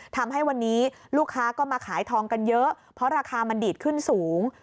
ทำให้วันนี้ลูกค้าก็มาขายทองกันเยอะเพราะราคามันดีดขึ้นสูง